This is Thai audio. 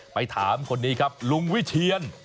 ไปถามคนนี้ครับลุงวิเชียน